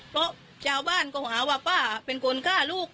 เพราะชาวบ้านก็หาว่าป้าเป็นคนฆ่าลูก